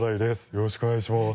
よろしくお願いします。